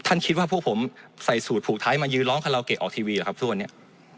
ท่านคิดว่าพวกผมใส่สูตรผูปฐ้าให้มายื้อล้องฮาราโลแกะออกทีวีครับทุกวันเนี้ย